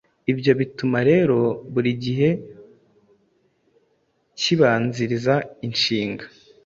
Ibyo bituma rero buri gihe kibanziriza inshinga.